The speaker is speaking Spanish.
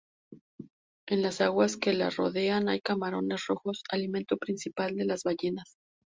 En las aguas que la rodean hay camarones rojos, alimento principal de las ballenas.